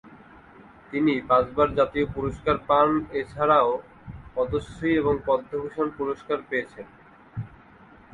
তিনি পাঁচ বার জাতীয় পুরস্কার পান, এছারাও পদ্মশ্রী এবং পদ্মভূষণ পুরস্কার পেয়েছেন।